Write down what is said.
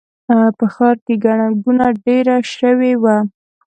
په ښار کې ګڼه ګوڼه ډېره شوې وه.